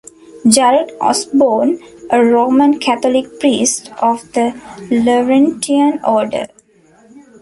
Jared Osborne, a Roman Catholic priest of the Laurentian order.